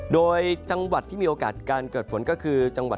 โดยจังหวัดที่มีโอกาสการเกิดฝนก็คือ